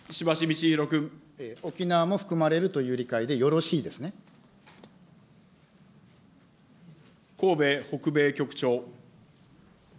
沖縄も含まれるという理解で河邉北米局長。